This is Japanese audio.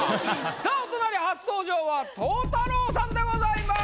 さあお隣初登場は柊太朗さんでございます。